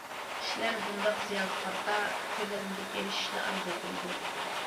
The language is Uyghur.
كىشىلەر بۇنداق زىيانغا قارىتا تۆلەمگە ئېرىشىشنى ئارزۇ قىلىدۇ.